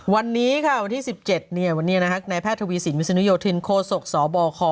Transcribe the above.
วันนี้ค่ะวันที่๑๗วันนี้นายแพทย์ทวีสินวิศนุโยธินโคศกสบค